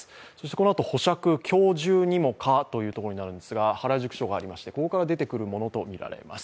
このあと保釈、今日中にもかということで原宿署がありまして、ここから出てくるものとみられます。